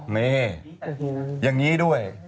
นี่อย่างนี้ด้วย